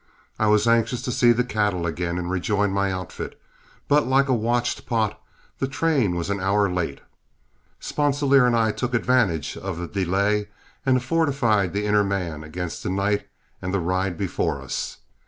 I was anxious to see the cattle again and rejoin my outfit, but like a watched pot, the train was an hour late. Sponsilier and I took advantage of the delay and fortified the inner man against the night and the ride before us.